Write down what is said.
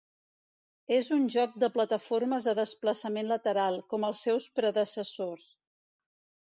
És un joc de plataformes de desplaçament lateral, com els seus predecessors.